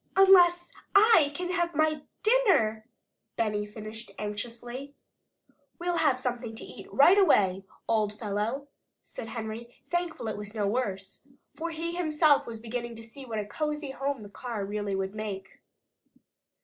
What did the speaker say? "Unless I can have my dinner," Benny finished anxiously. "We'll have something to eat right away, old fellow," said Henry, thankful it was no worse. For he himself was beginning to see what a cozy home the car really would make.